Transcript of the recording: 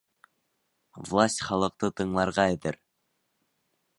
Власть халыҡты тыңларға әҙер